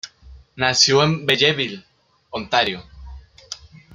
Nació en Belleville, Ontario.